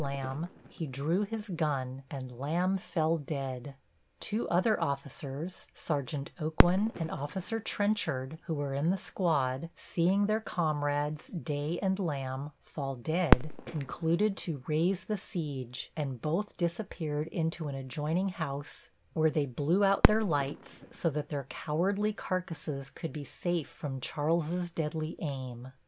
Lamb, he drew his gun, and Lamb fell dead. Two other officers, Sergeant Aucoin and Officer Trenchard, who were in the squad, seeing their comrades, Day and Lamb, fall dead, concluded to raise the siege, and both disappeared into an adjoining house, where they blew out their lights so that their cowardly carcasses could be safe from Charles's deadly aim.